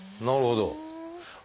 なるほど。